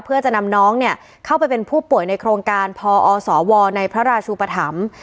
เพื่อจะนำน้องเข้าไปเป็นผู้ป่วยในโครงการพอสวในพระราชูปธรรม